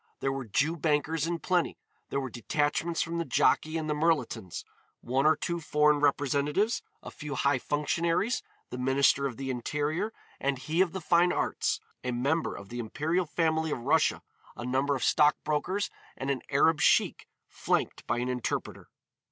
There were Jew bankers in plenty, there were detachments from the Jockey and the Mirletons, one or two foreign representatives, a few high functionaries, the Minister of the Interior, and he of the Fine Arts, a member of the imperial family of Russia, a number of stock brokers and an Arab Sheik flanked by an interpreter.